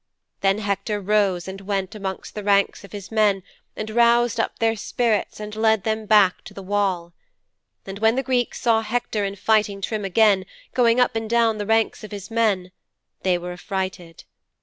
"' 'Then Hector rose and went amongst the ranks of his men and roused up their spirits and led them back to the wall. And when the Greeks saw Hector in fighting trim again, going up and down the ranks of his men, they were affrighted.'